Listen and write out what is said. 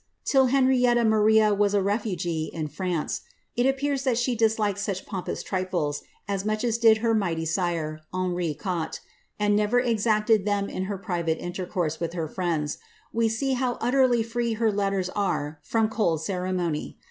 Till Henrietta Maria was a refugee in Fiance, it appears that she disliked such pompous trifles as much as did her mighty sire, Henri Quatre, and never exacted them in her private inter course with her friends ; we see how utterly free her letters are from cold ceremonial.